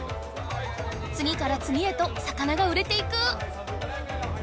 つぎからつぎへと魚が売れていく！